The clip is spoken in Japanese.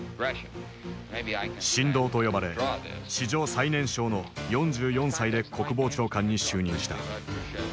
神童と呼ばれ史上最年少の４４歳で国防長官に就任した。